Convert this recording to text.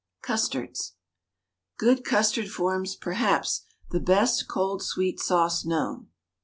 CUSTARDS. Good custard forms, perhaps, the best cold sweet sauce known.